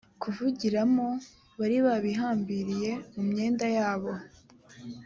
kuvugiramo bari babihambiriye mu myenda yabo